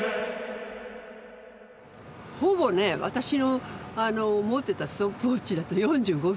ほぼね私の持ってたストップウォッチだと４５秒。